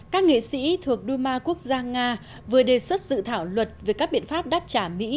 các nghệ sĩ thuộc duma quốc gia nga vừa đề xuất dự thảo luật về các biện pháp đáp trả mỹ